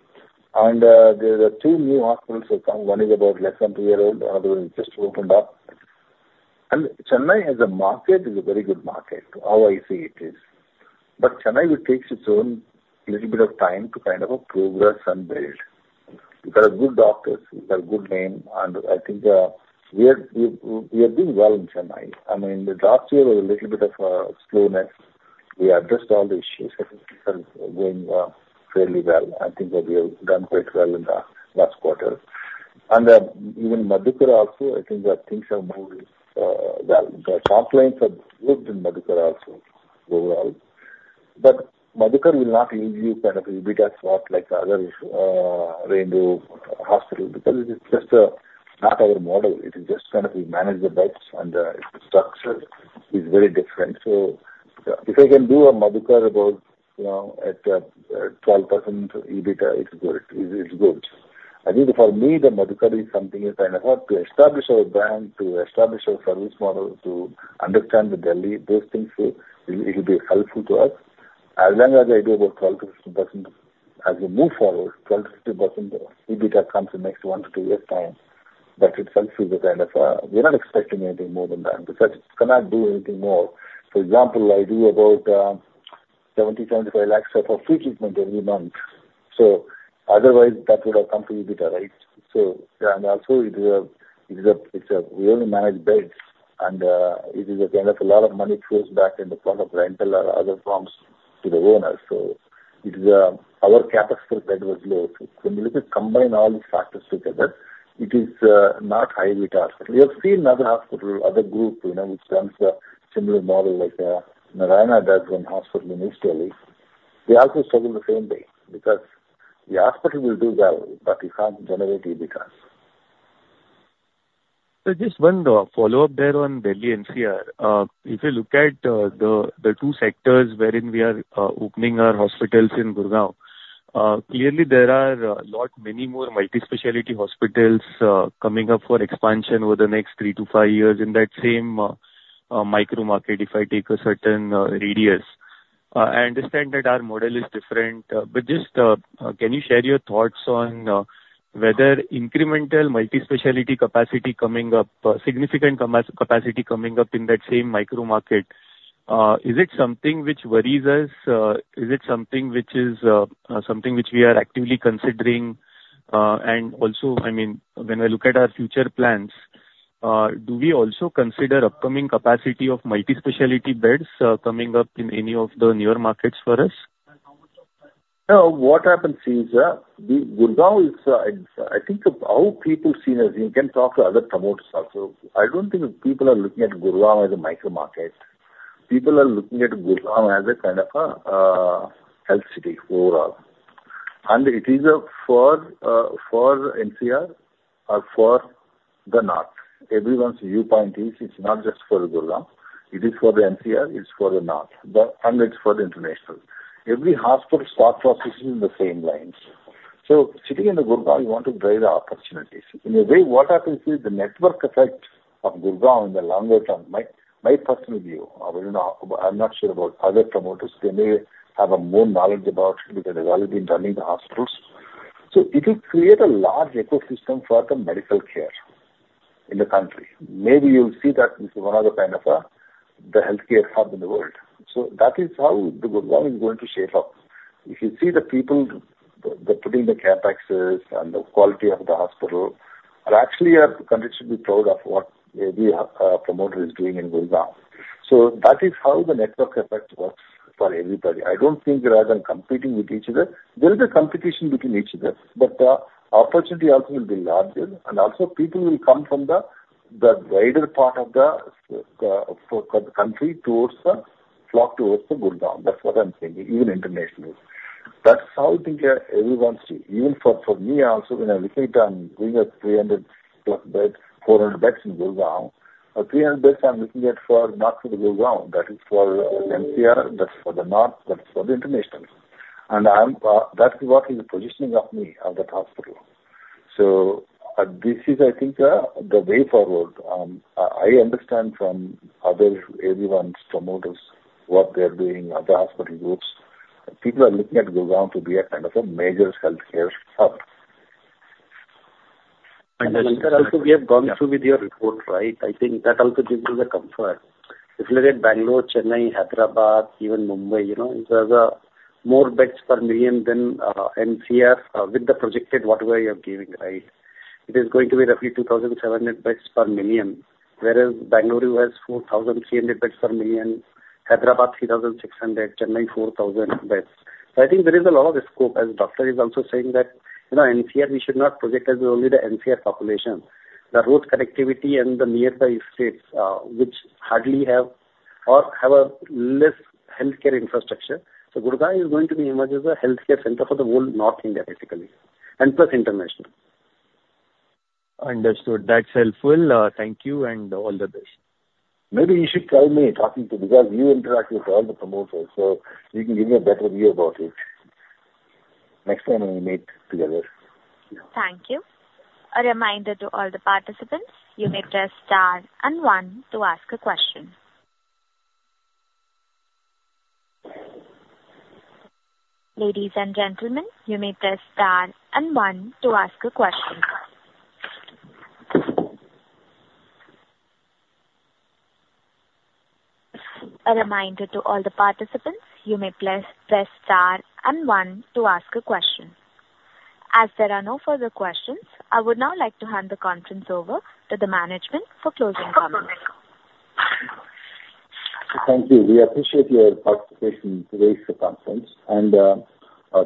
and there are two new hospitals have come. One is about less than two year old, the other one just opened up. And Chennai as a market is a very good market, how I see it is. But Chennai, it takes its own little bit of time to kind of progress and build. We've got good doctors, we've got good name, and I think we are doing well in Chennai. I mean, the last year was a little bit of slowness. We addressed all the issues, and things are going fairly well. I think that we have done quite well in the last quarter. Even Madhukar also, I think that things are moving well. The top lines have looked in Madhukar also overall. But Madhukar will not give you kind of EBITDA slot like other Rainbow Hospital, because it is just not our model. It is just kind of we manage the beds and the structure is very different. So if I can do a Madhukar about, you know, at 12% EBITDA, it's good. It, it's good. I think for me, the Madhukar is something is kind of to establish our brand, to establish our service model, to understand the Delhi. Those things will be helpful to us. As long as I do about 12%-16%, as we move forward, 12%-16% EBITDA comes in next one to two years' time. That is helpful to kind of... We're not expecting anything more than that, because I cannot do anything more. For example, I do about 70-75 lakhs for free treatment every month, so otherwise that would have come to you with the right. So, and also it is a, it's a we only manage beds, and it is a kind of lot of money flows back in the form of rental or other forms to the owners. So it is, our capacity bed was low. So when you combine all the factors together, it is not high with hospital. We have seen other hospital, other group, you know, which runs a similar model like Narayana does one hospital in [Australia]. They also struggle the same way because the hospital will do well, but you can't generate EBITDA. Just one follow-up there on Delhi NCR. If you look at the two sectors wherein we are opening our hospitals in Gurgaon, clearly there are lot many more multi-specialty hospitals coming up for expansion over the next three-to-five years in that same micro market, if I take a certain radius. I understand that our model is different, but just can you share your thoughts on whether incremental multi-specialty capacity coming up, significant capacity coming up in that same micro market? Is it something which worries us? Is it something which we are actively considering? And also, I mean, when I look at our future plans, do we also consider upcoming capacity of multi-specialty beds coming up in any of the newer markets for us? No, what happens is, the Gurgaon is, I think how people see us, you can talk to other promoters also. I don't think people are looking at Gurgaon as a micro market. People are looking at Gurgaon as a kind of a, health city overall. And it is, for, for NCR or for the North. Everyone's viewpoint is it's not just for the Gurgaon, it is for the NCR, it's for the North, but and it's for the international. Every hospital start processing in the same lines. So sitting in the Gurgaon, you want to drive the opportunities. In a way, what happens is the network effect of Gurgaon in the longer term, my personal view, you know, I'm not sure about other promoters, they may have a more knowledge about it because they've already been running the hospitals. So it will create a large ecosystem for the medical care in the country. Maybe you'll see that this is one of the kind of, the healthcare hub in the world. So that is how the Gurgaon is going to shape up. If you see the people, they're putting the CapExes and the quality of the hospital, and actually, I've conditioned to be proud of what every, promoter is doing in Gurgaon. So that is how the network effect works for everybody. I don't think they are competing with each other. There is a competition between each other, but the opportunity also will be larger, and also people will come from the, the wider part of the, the, for, country towards the, flock towards the Gurgaon. That's what I'm saying, even internationally. That's how I think, everyone's... Even for me also, when I'm looking at doing 300-plus beds, 400 beds in Gurgaon, 300 beds I'm looking at for not for the Gurgaon, that is for NCR, that's for the North, that's for the international. And I'm, that's what is the positioning of me of that hospital. So this is, I think, the way forward. I understand from others, everyone's promoters, what they're doing, other hospital groups. People are looking at Gurgaon to be a kind of a major healthcare hub. And also, we have gone through with your report, right? I think that also gives you the comfort. If you look at Bangalore, Chennai, Hyderabad, even Mumbai, you know, it has a more beds per million than, NCR, with the projected, whatever you are giving, right? It is going to be roughly two thousand seven hundred beds per million, whereas Bangalore has four thousand three hundred beds per million, Hyderabad, three thousand six hundred, Chennai, four thousand beds. So I think there is a lot of scope, as doctor is also saying that, you know, NCR, we should not project as only the NCR population. The road connectivity and the nearby states, which hardly have or have a less healthcare infrastructure. So Gurgaon is going to be emerge as a healthcare center for the whole North India, basically, and plus international. Understood. That's helpful. Thank you, and all the best. Maybe you should try me talking to, because you interact with all the promoters, so you can give me a better view about it. Next time when we meet together. Thank you. A reminder to all the participants, you may press Star and One to ask a question. Ladies and gentlemen, you may press Star and One to ask a question. A reminder to all the participants, you may press Star and One to ask a question. As there are no further questions, I would now like to hand the conference over to the management for closing comments. Thank you. We appreciate your participation in today's conference and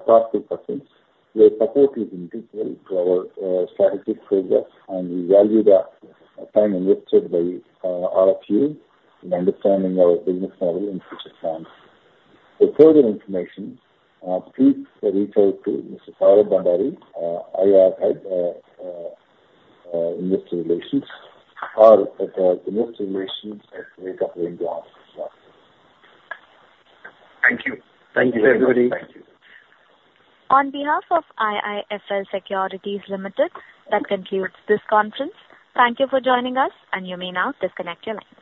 thoughtful questions. Your support is integral to our strategic progress, and we value the time invested by all of you in understanding our business model and future plans. For further information, please reach out to Mr. Karthik Bhandari, IR, Investor Relations, or at the investorrelations@rainbowchildrensmedicare.com. Thank you. Thank you, everybody. Thank you. On behalf of IIFL Securities Limited, that concludes this conference. Thank you for joining us, and you may now disconnect your lines.